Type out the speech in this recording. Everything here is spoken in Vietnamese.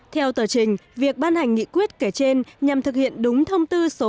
theo tờ trình việc ban hành nghị quyết kể trên nhằm thực hiện đúng thông báo